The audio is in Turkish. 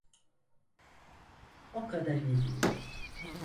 O kadar iyi değil.